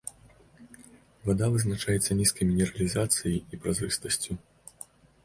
Вада вызначаецца нізкай мінералізацыяй і празрыстасцю.